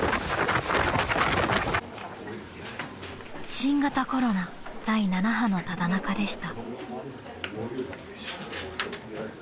［新型コロナ第７波のただ中でした］